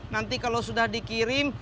nanti kalau sudah dikirim